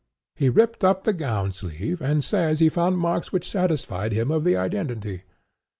He ripped up the gown sleeve, and says he found marks which satisfied him of the identity.